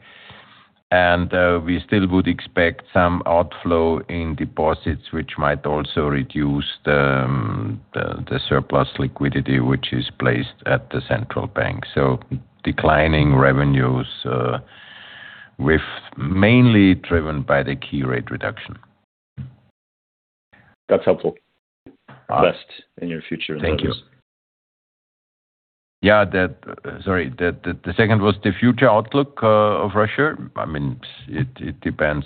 And we still would expect some outflow in deposits, which might also reduce the the surplus liquidity, which is placed at the central bank. So declining revenues with mainly driven by the key rate reduction.
That's helpful. Best in your future endeavors. Thank you.
Sorry, the second was the future outlook of Russia. I mean, it depends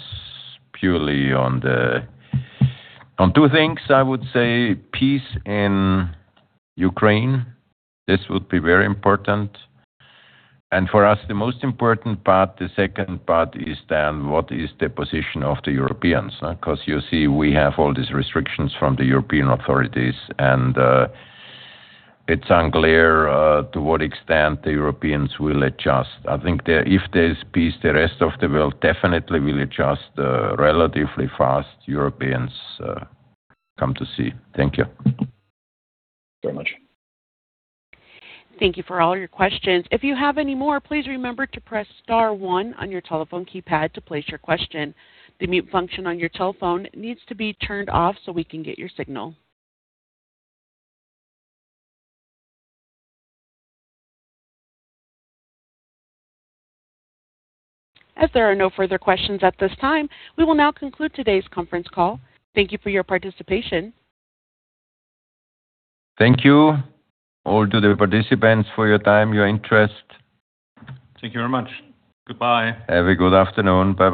purely on two things, I would say: peace in Ukraine, this would be very important, and for us, the most important part, the second part, is then what is the position of the Europeans? Because you see, we have all these restrictions from the European authorities, and it's unclear to what extent the Europeans will adjust. I think there, if there's peace, the rest of the world definitely will adjust relatively fast. Europeans, come to see. Thank you.
Very much.
Thank you for all your questions. If you have any more, please remember to press star 1 on your telephone keypad to place your question. The mute function on your telephone needs to be turned off so we can get your signal. As there are no further questions at this time, we will now conclude today's conference call. Thank you for your participation.
Thank you, all, to the participants, for your time, your interest.
Thank you very much. Goodbye.
Have a good afternoon. Bye-bye.